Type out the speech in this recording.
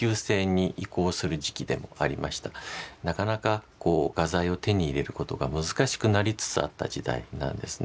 なかなかこう画材を手に入れることが難しくなりつつあった時代なんですね。